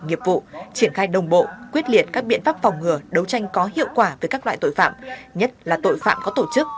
nghiệp vụ triển khai đồng bộ quyết liệt các biện pháp phòng ngừa đấu tranh có hiệu quả với các loại tội phạm nhất là tội phạm có tổ chức